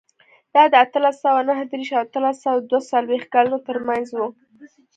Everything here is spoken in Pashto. دا د اتلس سوه نهه دېرش او اتلس سوه دوه څلوېښت کلونو ترمنځ و.